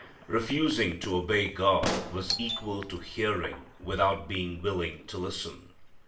Refusing to obey God was equal to hearing without being willing to listen.